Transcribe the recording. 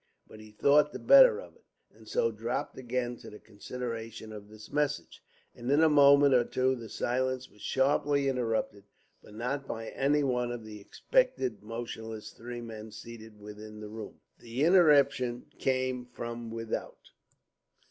But he thought the better of it, and so dropped again to the consideration of this message. And in a moment or two the silence was sharply interrupted, but not by any one of the expectant motionless three men seated within the room. The interruption came from without.